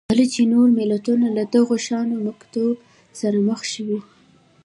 کله چې نور ملتونه له دغه شان مقطعو سره مخ شوي